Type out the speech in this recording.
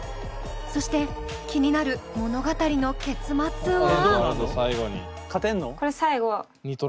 そして気になる物語の結末は？